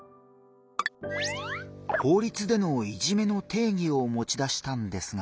法律でのいじめの定義をもち出したんですが。